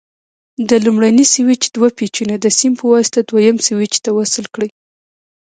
د لومړني سویچ دوه پېچونه د سیم په واسطه دویم سویچ ته وصل کړئ.